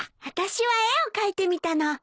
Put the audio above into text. あたしは絵を描いてみたの。